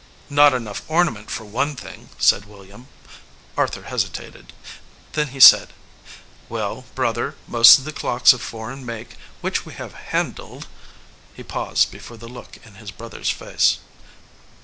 "Not enough ornament, for one thing," said William. Arthur hesitated. Then he said : "Well, brother, most of the clocks of foreign make which we have handled " He paused before the look in his brother s face.